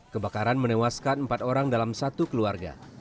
kebakaran menewaskan empat orang dalam satu keluarga